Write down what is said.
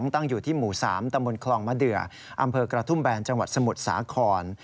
ตั้งอยู่ที่หมู่๓ตำบลคลองมะเดืออำเภอกระทุ่มแบนจังหวัดสมุทรสาคร